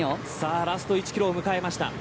ラスト１キロを迎えました。